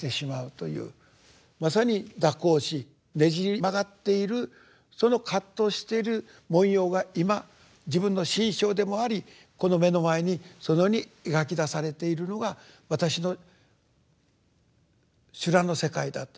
まさに蛇行しねじ曲がっているその葛藤している模様が今自分の心象でもありこの目の前にそのように描き出されているのが私の修羅の世界だと。